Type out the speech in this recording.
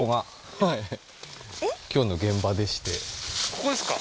ここですか？